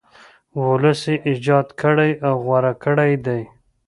ولس یې ایجاد کړی او غوره کړی دی.